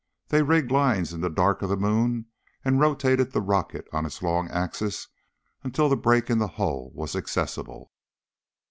They rigged lines in the dark of the moon and rotated the rocket on its long axis until the break in the hull was accessible.